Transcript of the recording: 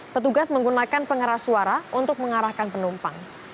petugas menggunakan pengeras suara untuk mengarahkan penumpang